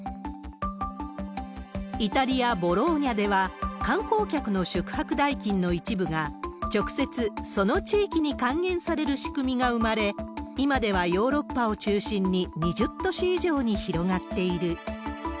イタリア・ボローニャでは、観光客の宿泊代金の一部が、直接その地域に還元される仕組みが生まれ、今ではヨーロッパを中心に２０都市以上に広がっている。